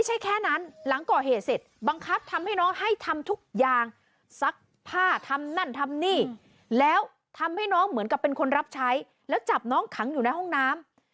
จับใช้แล้วจับน้องขังอยู่ในห้องน้ำ